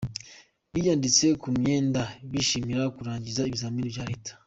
Biyanditse ku myenda bishimira kurangiza ibizamini bya Leta